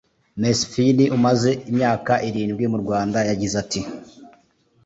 Mesfin umaze imyaka irindwi mu Rwanda yagize ati